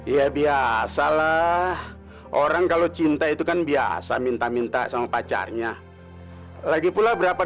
ya biasalah orang kalau cinta itu kan biasa minta minta sama pacarnya lagi pula berapa